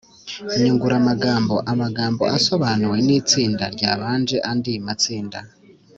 nyunguramagambo amagambo yasobanuwe n’itsinda ryabanje andi matsinda